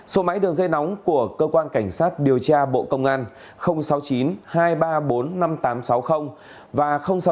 số máy đường dây nóng của cơ quan cảnh sát điều tra bộ công an sáu mươi chín hai trăm ba mươi bốn năm nghìn tám trăm sáu mươi và sáu mươi chín hai trăm ba mươi hai một nghìn sáu trăm bảy